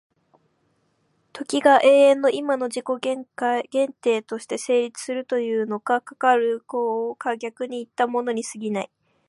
時が永遠の今の自己限定として成立するというのも、かかる考を逆にいったものに過ぎない。